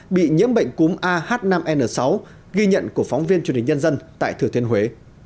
bị nhiễm bệnh cúm ah năm n sáu ghi nhận của phóng viên truyền hình nhân dân tại thừa thiên huế